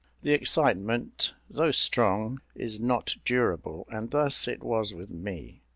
The excitement, though strong, is not durable; and thus it was with me.